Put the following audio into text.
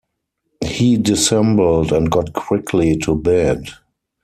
He dissembled, and got quickly to bed.